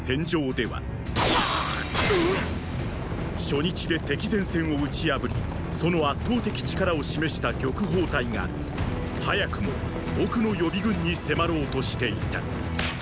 初日で敵前線を打ち破りその圧倒的力を示した玉鳳隊が早くも奥の予備軍に迫ろうとしていた。